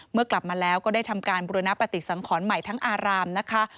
เมื่อกลับมาแล้วก็ได้ทำการบุรณปฏิสังขรใหม่ทั้งอารามนะคะ